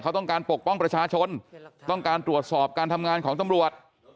เขาต้องการปกป้องประชาชนต้องการตรวจสอบการทำงานของตำรวจ